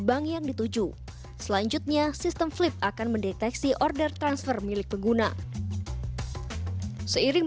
bank yang dituju selanjutnya sistem flip akan mendeteksi order transfer milik pengguna seiring